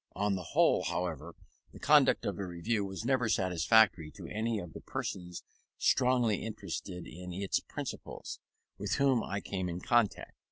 On the whole, however, the conduct of the Review was never satisfactory to any of the persons strongly interested in its principles, with whom I came in contact.